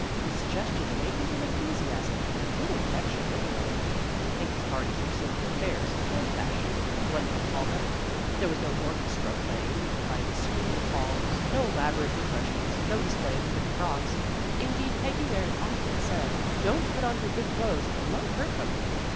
The suggestion awakened an enthusiasm that had little connection with Elaine. Peggy's parties were simple affairs, old fashioned, one might call them. There was no orchestra play 68 A HALLOWE'EN PARTY 69 ing behind a screen of palms, no elaborate re freshments, no display of pretty frocks. In deed Peggy very often said, " Don't put on your good clothes; you might hurt them."